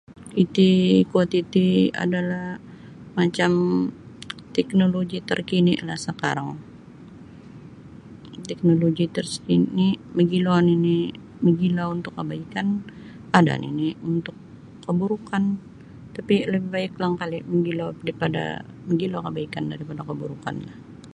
Iti kuo titi adalah macam teknoloji terkinilah sekarang teknoloji terkini mogilo nini mogilo untuk kebaikan ada nini untuk keburukan tapi lebih baiklah angkali mogilo daripada mogilo kebaikan daripada keburukanlah.